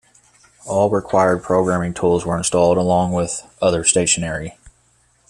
All required programming tools were installed, along with other stationery.